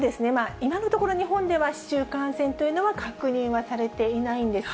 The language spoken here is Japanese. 今のところ、日本では市中感染というのは、確認はされていないんです。